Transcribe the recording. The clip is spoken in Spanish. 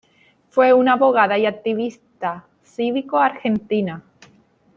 Fue una abogada y activista cívico argentina.